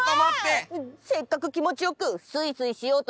せっかくきもちよくスイスイしようとしてたのに！